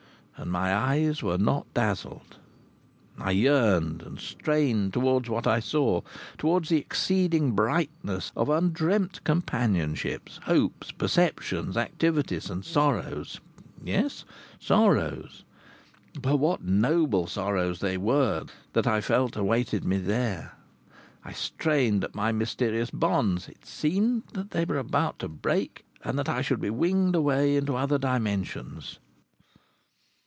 And my eyes were not dazzled. I yearned and strained towards what I saw, towards the exceeding brightness of undreamt companionships, hopes, perceptions, activities, and sorrows. Yes, sorrows! But what noble sorrows they were that I felt awaited me there! I strained at my mysterious bonds. It seemed that they were about to break and that I should be winged away into other dimensions....